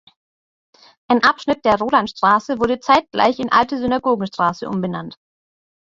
Ein Abschnitt der Rolandstraße wurde zeitgleich in „Alte-Synagogen-Straße“ umbenannt.